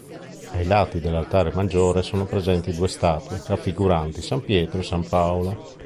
Ai lati dell'altare maggiore sono presenti due statue raffiguranti san Pietro e san Paolo.